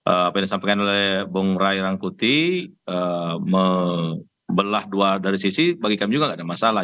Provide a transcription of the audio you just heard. apa yang disampaikan oleh bung rai rangkuti membelah dua dari sisi bagi kami juga tidak ada masalah